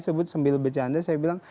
sebut sambil bercanda saya bilang